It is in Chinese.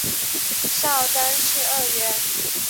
少詹事二员。